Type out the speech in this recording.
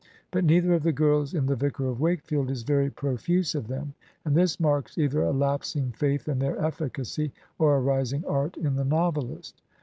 But neither of the girls in "The Vicar of Wakefield " is very profuse of them, and this marks either a lapsing faith in their efl&cacy, or a rising art in the novelist.